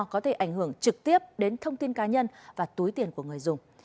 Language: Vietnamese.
có thể ảnh hưởng trực tiếp đến thông tin cá nhân và túi tiền của người dùng